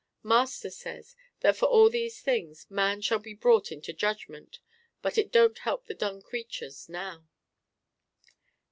Master says that for all these things man shall be brought into judgment, but it don't help the dumb creatures now.